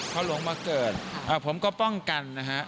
พอหลวงมาเกิดผมก็ป้องกันนะฮะ